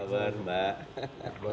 selamat malam mbak